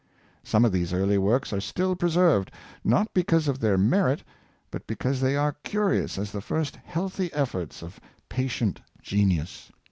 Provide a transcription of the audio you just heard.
Some of these early works are still preserved, not because of their merit, but be cause they are curious as the first healthy efforts of pa tient genius.